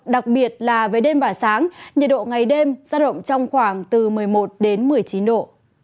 đặc biệt là về đêm và sáng nhiệt độ ngày đêm giao động trong khoảng từ một mươi một đến một mươi chín độ